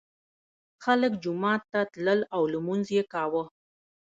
خلک جومات ته تلل او لمونځ یې کاوه.